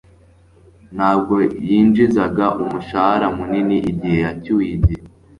Ntabwo yinjizaga umushahara munini igihe yacyuye igihe.